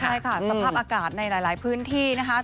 ใช่ค่ะสภาพอากาศในหลายพื้นที่นะคะ